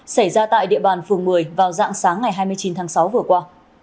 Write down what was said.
xảy ra tại địa bàn phường một mươi vào dạng sáng ngày hai mươi chín tháng sáu vừa qua